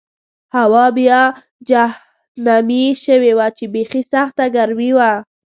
هوا بیا جهنمي شوې وه چې بېخي سخته ګرمي وه.